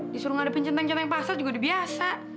disuruh ngadepin centeng centeng pasar juga biasa